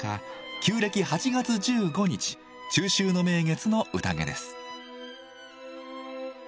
旧暦８月１５日中秋の名月の宴です。